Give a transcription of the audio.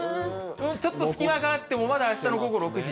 ちょっと隙間があっても、まだあしたの午後６時。